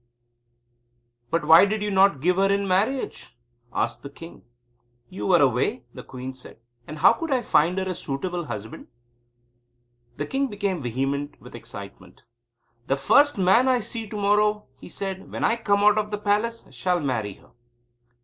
"But why did you not give her in marriage?" asked the king. "You were away," the queen said. "And how could I find her a suitable husband?" The king became vehement with excitement. "The first man I see to morrow," he said, "when I come out of the palace shall marry her."